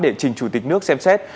để trình chủ tịch nước xem xét